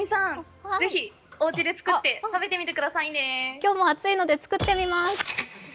今日も暑いので作ってみます。